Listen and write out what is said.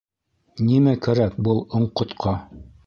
Нимә кәрәк был оңҡотҡа?